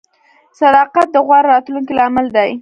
• صداقت د غوره راتلونکي لامل دی.